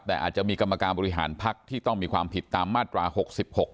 แต่อาจจะมีกรรมการบริหารพักที่ต้องมีความผิดตามมาตรา๖๖